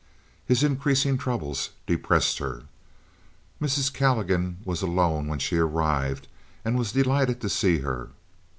His increasing troubles depressed her. Mrs. Calligan was alone when she arrived and was delighted to see her.